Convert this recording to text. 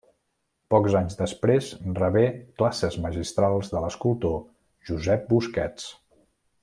Pocs anys després rebé classes magistrals de l’escultor Josep Busquets.